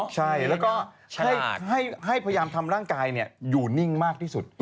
ใช่แล้วก็ให้พยายามทำร่างกายอยู่นิ่งมากที่สุด